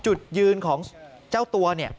จุดยืนของเจ้าตัวเนี่ย